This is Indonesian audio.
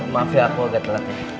maaf ya aku udah telat ya